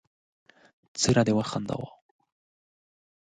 څومره دې و خنداوه